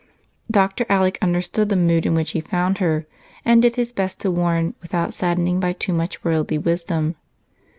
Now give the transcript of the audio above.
Dr. Alec understood the mood in which he found her and did his best to warn without saddening by too much worldly wisdom.